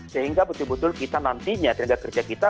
sehingga betul betul kita nantinya tenaga kerja kita